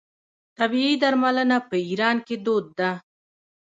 طبیعي درملنه په ایران کې دود ده.